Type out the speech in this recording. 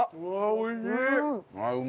おいしい！